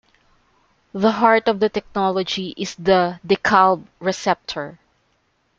The heart of the technology is the "deKalb receptor".